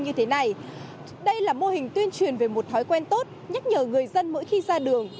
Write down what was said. như thế này đây là mô hình tuyên truyền về một thói quen tốt nhắc nhở người dân mỗi khi ra đường